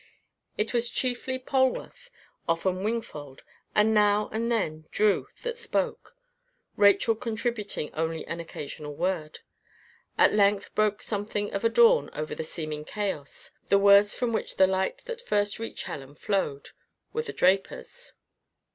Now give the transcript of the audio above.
It was chiefly Polwarth, often Wingfold, and now and then Drew that spoke, Rachel contributing only an occasional word. At length broke something of a dawn over the seeming chaos. The words from which the light that first reached Helen flowed, were the draper's.